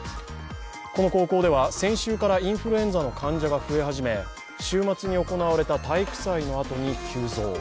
この高校では先週からインフルエンザの患者が増え始め、週末に行われた体育祭のあとに急増。